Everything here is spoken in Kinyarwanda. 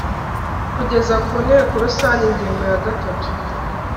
Kugeza ku Nteko Rusange ingingo ya gatatu